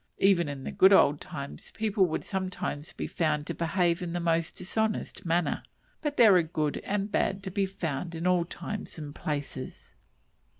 Even in "the good old times" people would sometimes be found to behave in the most dishonest manner. But there are good and bad to be found in all times and places.